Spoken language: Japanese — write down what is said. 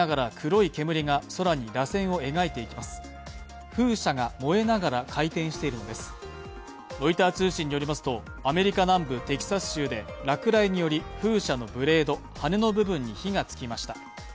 ロイター通信によりますと、アメリカ南部テキサス州で落雷により風車のブレード＝羽根の部分に火がつきました。